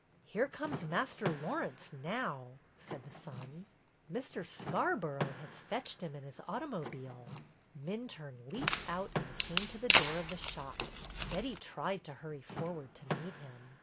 "Here comes Master Laurence now,'^ said the son. "Mr. Scarborough has fetched him in his automobile." Minturne leaped out and came to the door of the shop. Betty tried to hurry forward to meet him.